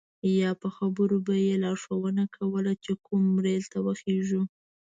یا په خبرو به یې لارښوونه کوله چې کوم ریل ته وخیژو.